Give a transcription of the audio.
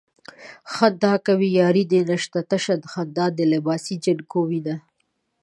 خندا کوې ياري دې نشته تشه خندا د لباسې جنکو وينه